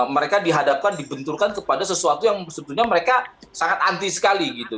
mereka dihadapkan dibenturkan kepada sesuatu yang sebetulnya mereka sangat anti sekali gitu